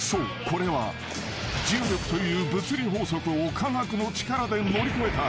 これは重力という物理法則を科学の力で乗り越えた］